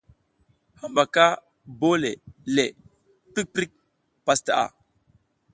Hambaka bole le, prik prik pastaʼa.